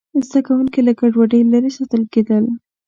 زده کوونکي له ګډوډۍ لرې ساتل کېدل.